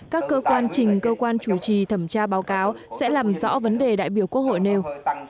các cơ quan trình cơ quan chủ trì thẩm tra báo cáo sẽ làm rõ vấn đề đại biểu quốc hội nêu